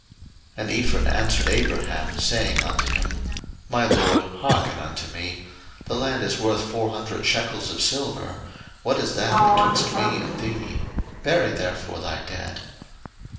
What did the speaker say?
01:023:014 And Ephron answered Abraham, saying unto him, 01:023:015 My lord, hearken unto me: the land is worth four hundred shekels of silver; what is that betwixt me and thee? bury therefore thy dead.